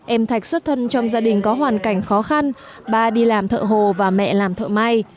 em thạch xuất thân trong gia đình có hoàn cảnh khó khăn ba đi làm thợ hồ và mẹ làm thợ may